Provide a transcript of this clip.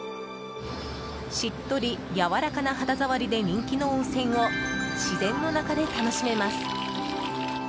しっとり、やわらかな肌触りで人気の温泉を自然の中で楽しめます。